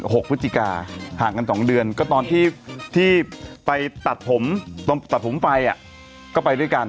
หกพฤศจิกาห่างกันสองเดือนก็ตอนที่ที่ไปตัดผมตอนตัดผมไฟอ่ะก็ไปด้วยกัน